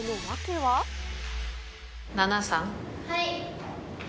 はい。